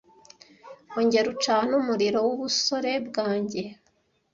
ongera ucane umuriro w'ubusore bwanjye